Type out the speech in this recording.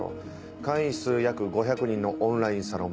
会員数約５００人のオンラインサロン